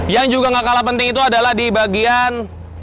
yang juga gak kalah penting itu adalah di bagian